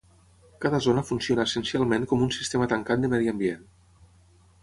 Cada zona funciona essencialment com un sistema tancat de medi ambient.